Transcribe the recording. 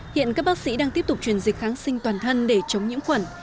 hiện các bác sĩ đang tiếp tục truyền dịch kháng sinh toàn thân để chống nhiễm khuẩn